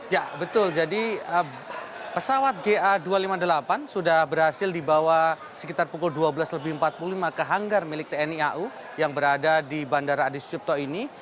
ya betul jadi pesawat ga dua ratus lima puluh delapan sudah berhasil dibawa sekitar pukul dua belas lebih empat puluh lima ke hanggar milik tni au yang berada di bandara adi sucipto ini